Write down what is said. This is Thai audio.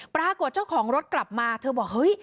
ปรากฏเจ้าของรถกลับมาเธอบอกเฮ้ย